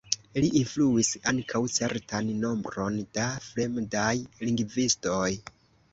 Li influis ankaŭ certan nombron da fremdaj lingvistoj.